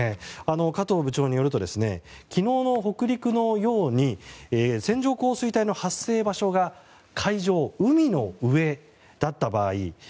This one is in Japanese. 加藤部長によると昨日の北陸のように線状降水帯の発生場所が海上、海の上だった場合